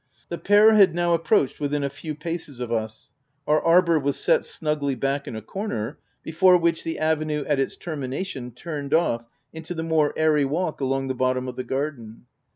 The pair had now approached within a few paces of us. Our arbour was set snugly back in a corner, before which, the avenue at its ter mination, turned off into the more airy walk along the bottom of the garden.